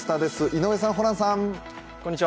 井上さん、ホランさん。